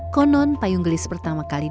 konon payung gelis pertama kali